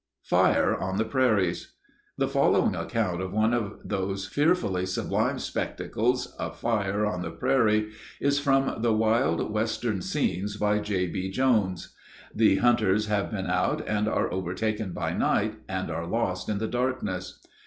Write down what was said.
FIRE ON THE PRAIRIES. The following account of one of those fearfully sublime spectacles a fire on the prairie is from the "Wild Western Scenes" by J.B. Jones. The hunters have been out and are overtaken by night, and are lost in the darkness.